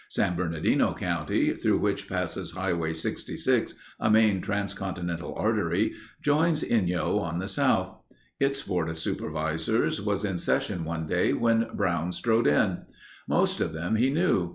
San Bernardino county, through which passes Highway 66, a main transcontinental artery, joins Inyo on the south. Its board of supervisors was in session one day when Brown strode in. Most of them he knew.